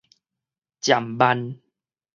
暫慢